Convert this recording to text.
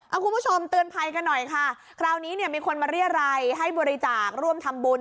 เอาคุณผู้ชมเตือนภัยกันหน่อยค่ะคราวนี้เนี่ยมีคนมาเรียรัยให้บริจาคร่วมทำบุญ